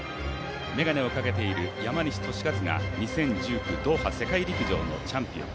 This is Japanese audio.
眼鏡をかけている山西利和が２０１９年ドーハ世界陸上のチャンピオン。